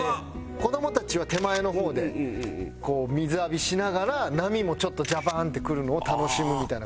子どもたちは手前の方で水浴びしながら波もちょっとジャバーンってくるのを楽しむみたいな。